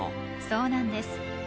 そうなんです。